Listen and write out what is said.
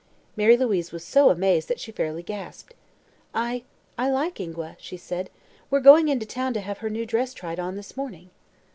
Mary Louise was so amazed that she fairly gasped. "I I like Ingua," she said. "We're going into town to have her new dress tried on this morning."